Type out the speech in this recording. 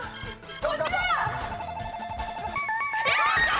こっちだ！